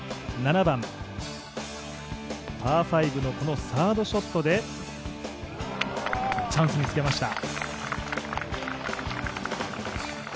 ７番、パー５のこのサードショットでチャンスにつけました。